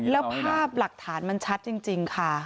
แล้วภาพหลักฐานมันชัดจริงค่ะ